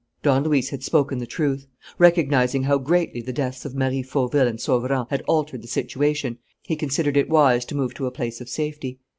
Don Luis had spoken the truth. Recognizing how greatly the deaths of Marie Fauville and Sauverand had altered the situation, he considered it wise to move to a place of safety.